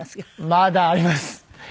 まだあります。